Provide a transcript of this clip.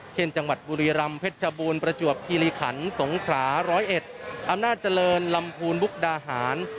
เช่นจังหวัดบุรีรำเพชรชบูรณ์ประจวบคีรีขันสงขราร้อยเอ็ดอำนาจเจริญลำพูนมุกดาหาร